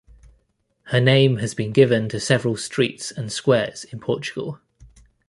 Her name has been given to several streets and squares in Portugal.